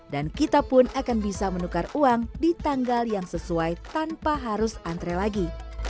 dan kita pun akan bisa menukar uang di tanggal yang sesuai tanpa harus antre lagi